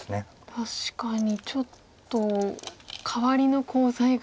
確かにちょっと代わりのコウ材が。